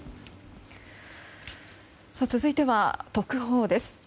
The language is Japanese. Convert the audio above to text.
続いては特報です。